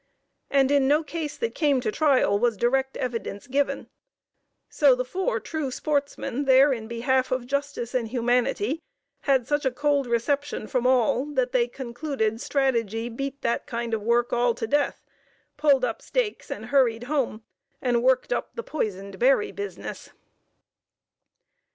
And in no case that came to trial was direct evidence given. So the four true "sportsmen" there in behalf of justice and humanity, had such a cold reception from all, that they concluded strategy beat that kind of work all to death, pulled up stakes and hurried home, and worked up the poisoned berry business.